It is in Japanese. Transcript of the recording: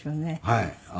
はい。